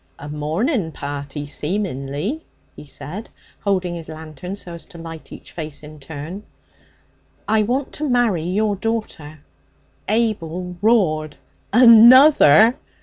'A mourning party, seemingly,' he said, holding his lantern so as to light each face in turn. 'I want to marry your daughter.' Abel roared. 'Another?